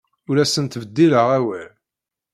Ur asen-ttbeddileɣ awal.